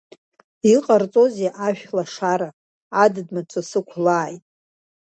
Иҟарҵозеи Ашәлашара, адыд-мацәыс ықәлааит!